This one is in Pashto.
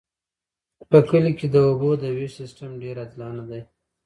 په کلي کې د اوبو د ویش سیستم ډیر عادلانه دی.